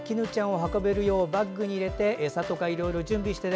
運べるようにバッグに入れて餌とかいろいろ準備してね。